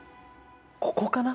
ここかな。